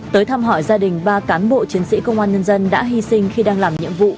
tới thăm hỏi gia đình ba cán bộ chiến sĩ công an nhân dân đã hy sinh khi đang làm nhiệm vụ